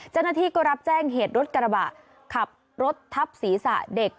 เจ้าหน้าที่ก็รับแจ้งเหตุรถกระบะขับรถทับศีรษะเด็ก